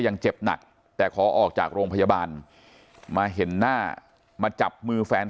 ยังเจ็บหนักแต่ขอออกจากโรงพยาบาลมาเห็นหน้ามาจับมือแฟน